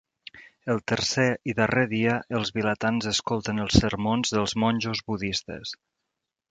El tercer i darrer dia, els vilatans escolten els sermons dels monjos budistes.